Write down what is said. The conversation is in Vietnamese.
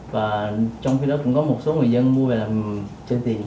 và trong khi đó cũng có một số người dân mua về làm trên tiền